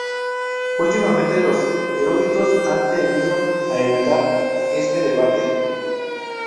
Últimamente los eruditos han tendido a evitar este debate.